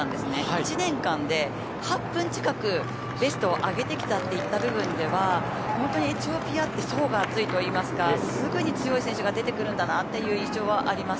１年間で８分近くベストを上げてきたといった部分ではエチオピアって層が厚いといいますかすぐに強い選手が出てくるんだなという印象はあります。